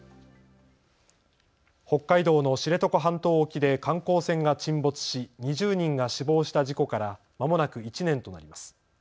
北海道の知床半島沖で観光船が沈没し２０人が死亡した事故からまもなく１年となります。